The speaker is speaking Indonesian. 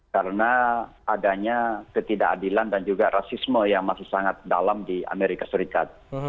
karena adanya ketidakadilan dan juga rasisme yang masih sangat dalam di amerika serikat